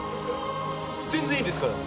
全然いいですからね！